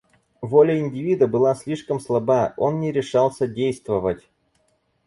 Воля индивида была слишком слаба, он не решался действовать.